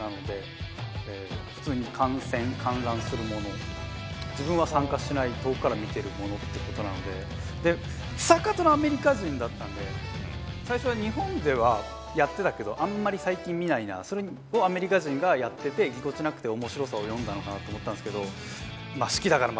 えはい自分は参加しない遠くから見てるものってことなのでで久方のアメリカ人だったんで最初は日本ではやってたけどあんまり最近見ないなあそれをアメリカ人がやっててぎこちなくて面白さを詠んだのかなと思ったんすけど。